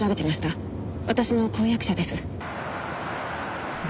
私の婚約者です。